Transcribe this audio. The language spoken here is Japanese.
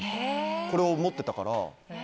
これを持っていたから。